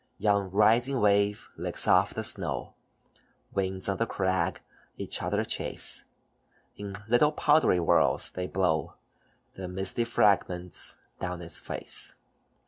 "Yon rising wave licks off the snow, Winds on the crag each other chase, In little powdery whirls they blow The misty fragments down its face.